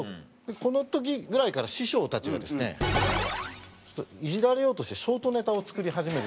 この時ぐらいから師匠たちがですねイジられようとしてショートネタを作り始める。